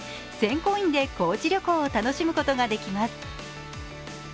コインで高知旅行を楽しむことができます。